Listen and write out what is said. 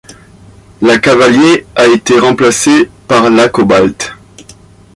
La Cavalier a été remplacée par la Cobalt.